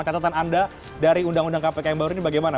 catatan anda dari undang undang kpk yang baru ini bagaimana